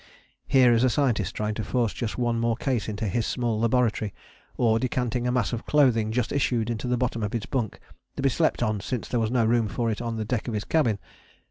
Here is a scientist trying to force just one more case into his small laboratory, or decanting a mass of clothing, just issued, into the bottom of his bunk, to be slept on since there was no room for it on the deck of his cabin.